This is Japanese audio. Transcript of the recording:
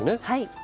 はい。